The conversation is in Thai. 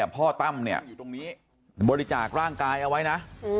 ตั้มเนี่ยบริจาคร่างกายเอาไว้นะ